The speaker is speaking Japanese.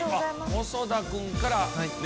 細田君からね。